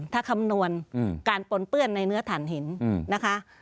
ถ้าคำนวณการปนเปื้อนในเนื้อถ่านหินนะคะ